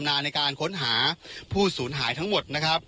และจริงมีความชำนาญการค้นหาผู้ศูนย์หายทั้งหมด